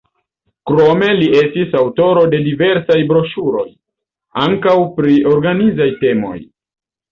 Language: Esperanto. Krome li estis aŭtoro de diversaj broŝuroj, ankaŭ pri organizaj temoj.